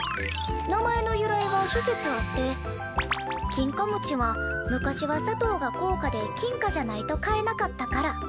「名前の由来は諸説あって『きんかもち』は昔は砂糖が高価で金貨じゃないと買えなかったから。